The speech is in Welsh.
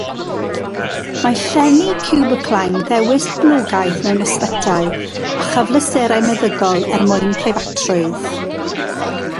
Mae llenni ciwbiclau'n ddewis poblogaidd mewn ysbytai a chyfleusterau meddygol er mwyn preifatrwydd.